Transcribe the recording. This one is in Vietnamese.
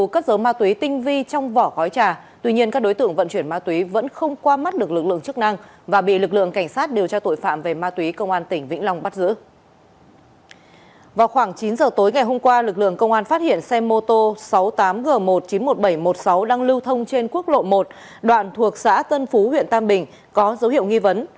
khoảng chín giờ tối ngày hôm qua lực lượng công an phát hiện xe mô tô sáu mươi tám g một trăm chín mươi một nghìn bảy trăm một mươi sáu đang lưu thông trên quốc lộ một đoạn thuộc xã tân phú huyện tam bình có dấu hiệu nghi vấn